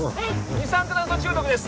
二酸化炭素中毒です